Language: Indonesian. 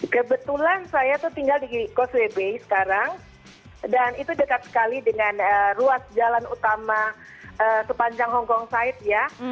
kebetulan saya tuh tinggal di koswebe sekarang dan itu dekat sekali dengan ruas jalan utama sepanjang hongkong site ya